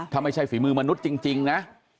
ถ้าไม่ใช่ฝีมือมนุษย์จริงนะ